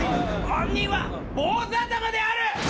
犯人は坊主頭である！